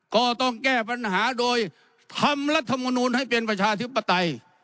ก็ต้องแก้ปัญหาโดยทำรัฐมนูลให้เป็นประชาธิปไตย